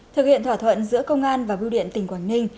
thực hiện thỏa thuận giữa công an và biêu điện tỉnh quảng ninh